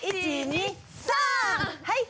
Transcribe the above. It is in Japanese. はい！